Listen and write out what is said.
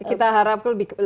kita harap lebih ini lah